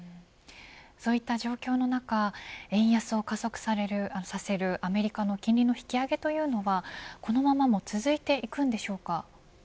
そういった状況の中円安を加速させるアメリカの金利引き上げというのはこのまま続いていくのでしょうか。